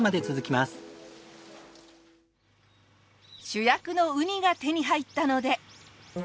主役のウニが手に入ったので。